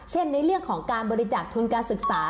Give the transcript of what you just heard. ในเรื่องของการบริจาคทุนการศึกษา